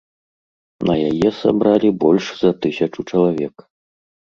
На яе сабралі больш за тысячу чалавек.